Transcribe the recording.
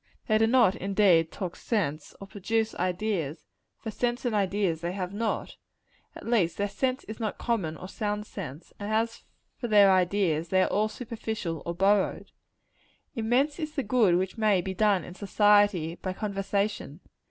They do not, indeed, talk sense, or produce ideas; for sense and ideas they have not. At least, their sense is not common or sound sense: and as for their ideas, they are all superficial or borrowed. Immense is the good which may be done in society, by conversation.